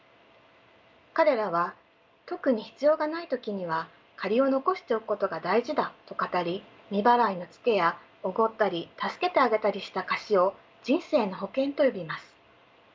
彼らは特に必要がない時には借りを残しておくことが大事だと語り未払いのツケやおごったり助けてあげたりした貸しを「人生の保険」と呼びます。